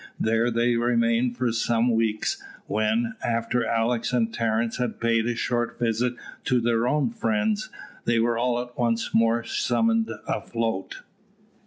There they remained for some weeks, when, after Alick and Terence had paid a short visit to their own friends, they were all once more summoned afloat.